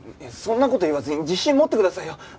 そんな事言わずに自信持ってくださいよ。